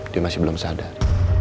dia masih belum sadar